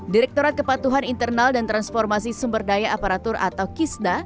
direktorat kepatuhan internal dan transformasi sumber daya aparatur atau kisda